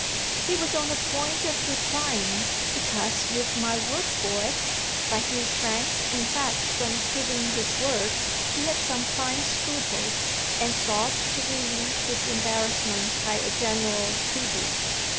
He was on the point of replying, "Because you've my word for it"; but he shrank in fact from giving his word he had some fine scruples and sought to relieve his embarrassment by a general tribute.